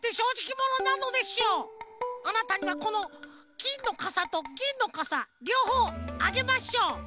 あなたにはこのきんのかさとぎんのかさりょうほうあげましょう！